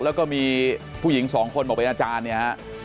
แล้วก็มีผู้หญิง๒คนบอกไปอาจารย์เนี่ย